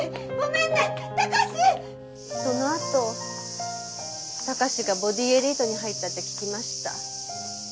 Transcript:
そのあと貴史がボディエリートに入ったって聞きました。